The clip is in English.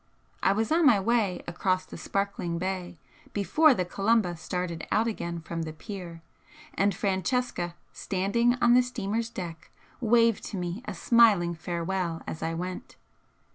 I was on my way across the sparkling bay before the 'Columba' started out again from the pier, and Francesca, standing on the steamer's deck, waved to me a smiling farewell as I went.